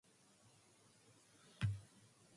It gets harder to be yourself.